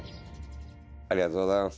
ありがとうございます。